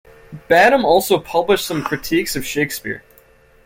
Badham also published some critiques of Shakespeare.